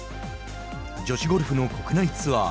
女子ゴルフの国内ツアー。